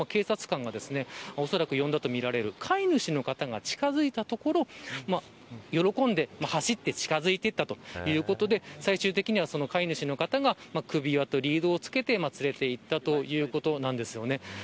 この動画の後ですが警察官がおそらく呼んだとみられる飼い主の方が近づいたところ喜んで走って近づいていったということで最終的には、飼い主の方が首輪とリードをつけて連れて行ったということです。